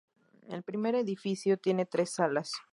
El primer edificio tiene tres salas.